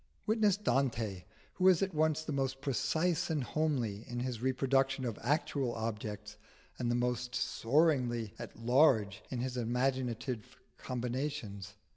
Witness Dante, who is at once the most precise and homely in his reproduction of actual objects, and the most soaringly at large in his imaginative combinations.